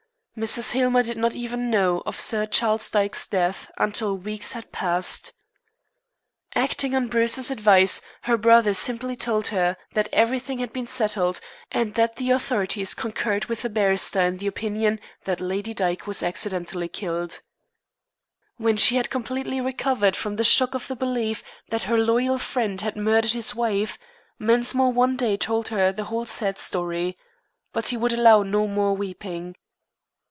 Mrs. Hillmer did not even know of Sir Charles Dyke's death until weeks had passed. Acting on Bruce's advice her brother simply told her that everything had been settled, and that the authorities concurred with the barrister in the opinion that Lady Dyke was accidently killed. When she had completely recovered from the shock of the belief that her loyal friend had murdered his wife, Mensmore one day told her the whole sad story. But he would allow no more weeping.